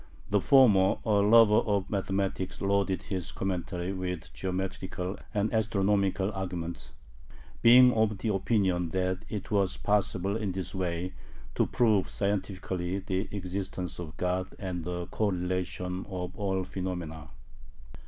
The former, a lover of mathematics, loaded his commentary with geometrical and astronomical arguments, being of the opinion that it was possible in this way to prove scientifically the existence of God and the correlation of all phenomena.